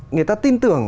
người ta tin tưởng